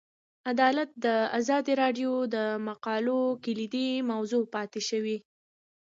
عدالت د ازادي راډیو د مقالو کلیدي موضوع پاتې شوی.